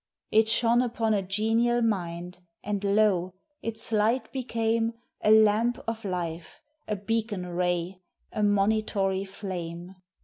It shone upon a genial mind, and lo! its light became A lamp of life, a beacon ray, a monitory flame.